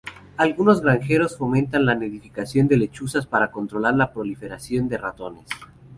Algunos granjeros fomentan la nidificación de lechuzas para controlar la proliferación de ratones.